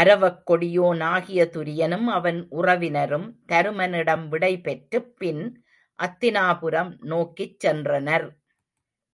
அரவக் கொடியோன் ஆகிய துரியனும் அவன் உறவினரும் தருமனிடம் விடை பெற்றுப் பின் அத்தினாபுரம் நோக்கிச் சென்றனர்.